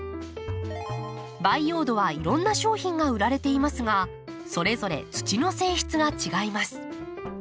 培養土はいろんな商品が売られていますがそれぞれ土の性質が違います。